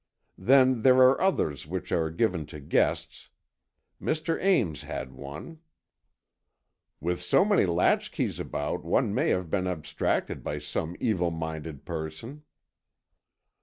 Then there are others which are given to guests. Mr. Ames had one——" "With so many latchkeys about, one may have been abstracted by some evil minded person."